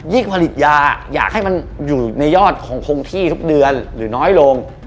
ผลิตยาอยากให้มันอยู่ในยอดของคงที่ทุกเดือนหรือน้อยลง